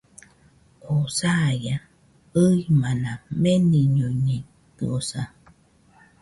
Oo saia, ɨimana meniñoñeitɨosa